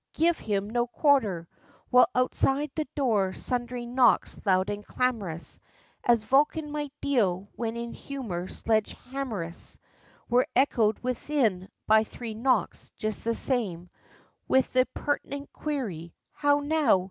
_ Give him no quarter!' While outside the door sundry knocks loud and clamorous (As Vulcan might deal when in humour sledge hammerous) Were echoed within by three knocks just the same, With the pertinent query 'How now!